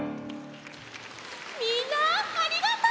みんなありがとう！